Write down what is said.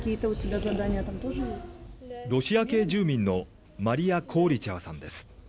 ロシア系住民のマリア・コーリチェワさんです。